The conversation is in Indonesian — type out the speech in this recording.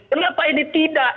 kenapa ini tidak